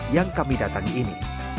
yang kami datangi ini